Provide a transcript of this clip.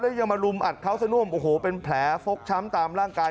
แล้วยังมาลุมอัดเขาสน่วมโอ้โหเป็นแผลฟกช้ำตามร่างกาย